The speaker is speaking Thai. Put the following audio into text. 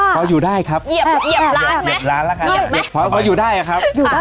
เขาบอกว่า